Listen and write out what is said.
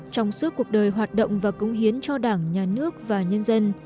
trong suốt cuộc đời hoạt động và cống hiến cho đảng nhà nước và nhân dân